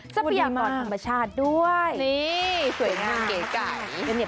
สะเบียบก่อนธรรมชาติด้วยนี่สวยงามสวยงามเก๋ไก่